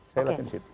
saya lihatnya disitu